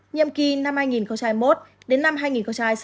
nhiệm kỳ năm hai nghìn một đến năm hai nghìn hai mươi sáu